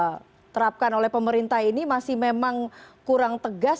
jadi sebuah kebijakan yang diterapkan oleh pemerintah ini masih memang kurang tegas